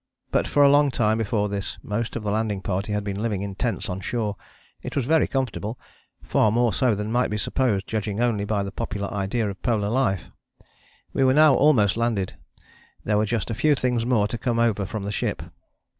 But for a long time before this most of the landing party had been living in tents on shore. It was very comfortable, far more so than might be supposed, judging only by the popular idea of a polar life. We were now almost landed, there were just a few things more to come over from the ship.